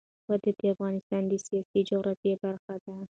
وادي د افغانستان د سیاسي جغرافیه برخه ده.